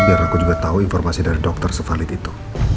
biar aku juga tahu informasi dari dokter sevalid itu